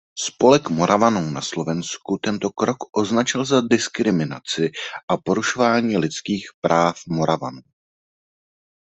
Spolek Moravanů na Slovensku tento krok označil za diskriminaci a porušování lidských práv Moravanů.